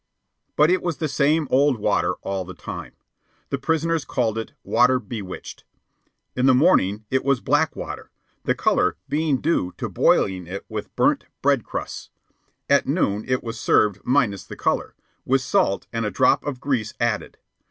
But it was the same old water all the time. The prisoners called it "water bewitched." In the morning it was black water, the color being due to boiling it with burnt bread crusts. At noon it was served minus the color, with salt and a drop of grease added.